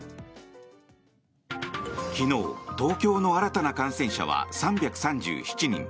昨日、東京の新たな感染者は３３７人。